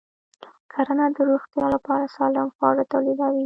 کرنه د روغتیا لپاره سالم خواړه تولیدوي.